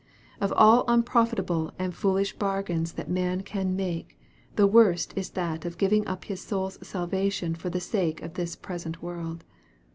Of all un profitable and foolish bargains that man can make, the worst is that of giving up his soul's salvation for the sake of this present world.